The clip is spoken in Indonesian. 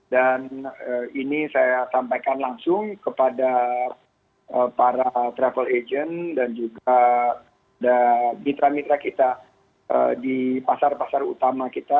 dan ini saya sampaikan langsung kepada para travel agent dan juga mitra mitra kita di pasar pasar utama kita